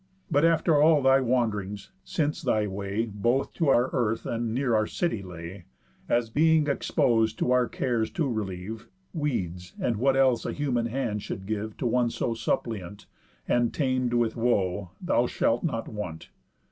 But after all thy wand'rings, since thy way, Both to our earth, and near our city, lay, As being expos'd to our cares to relieve, Weeds, and what else a human hand should give To one so suppliant and tam'd with woe, Thou shalt not want.